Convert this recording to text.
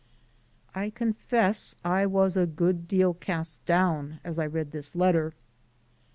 I confess I was a good deal cast down as I read this letter.